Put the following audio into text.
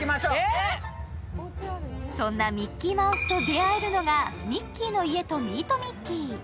そんなミッキーマウスと出会えるのがミッキーの家とミート・ミッキー。